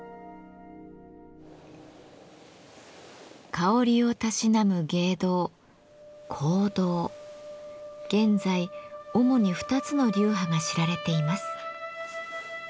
香りをたしなむ芸道現在主に二つの流派が知られています。